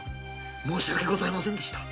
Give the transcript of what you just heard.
申し訳ございませんでした。